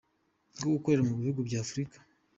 bwo gukorera mu bihugu bya Afurika.